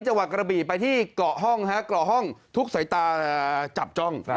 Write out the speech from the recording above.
จังหวัดกระบี่ไปที่เกาะห้องฮะเกาะห้องทุกสายตาจับจ้อง